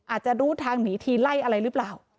อาจจะรู้ทางหนีทีไล่อะไรหรือเปล่า